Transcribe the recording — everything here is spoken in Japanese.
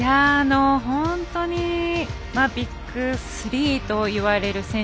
本当にビッグ３といわれる選手